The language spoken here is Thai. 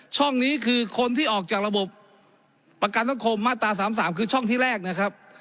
ช่องนี้คือคนที่ออกจากระบบประกันสังคมมาตรา๓๓คือช่องที่แรกนะครับ